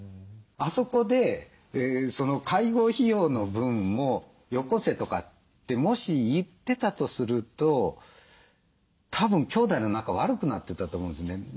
あそこで「介護費用の分もよこせ」とかってもし言ってたとするとたぶん兄弟の仲悪くなってたと思うんですよね。